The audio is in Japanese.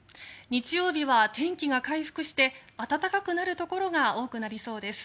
日曜日は天気が回復して暖かくなるところが多くなりそうです。